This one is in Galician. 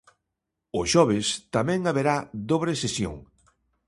O xoves tamén haberá dobre sesión.